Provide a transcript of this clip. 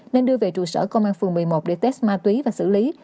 nên đưa về trụ sở công an phường một mươi một để test ma túy và xử lý